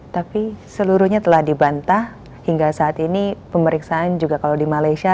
tapi seluruhnya telah dibantah hingga saat ini pemeriksaan juga kalau di malaysia